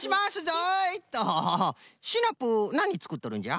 シナプーなにつくっとるんじゃ？